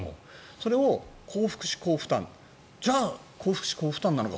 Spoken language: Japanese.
それを高福祉・高負担じゃあ、高福祉・高負担なのか